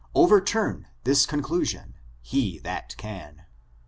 Overturn this condusion he that can.